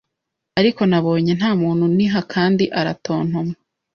Ariko nabonye ntamuntu uniha kandi aratontoma